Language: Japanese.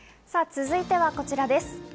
続いてはこちらです。